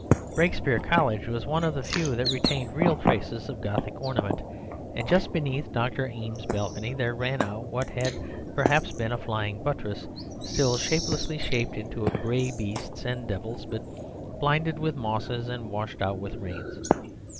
Brakespeare College was one of the few that retained real traces of Gothic ornament, and just beneath Dr. Eames's balcony there ran out what had perhaps been a flying buttress, still shapelessly shaped into gray beasts and devils, but blinded with mosses and washed out with rains.